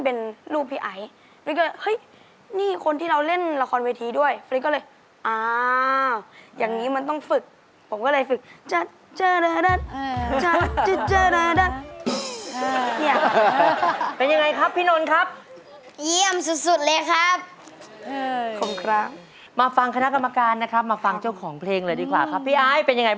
พี่ไอคำที่ผมเต้นมันยังไม่เหมือน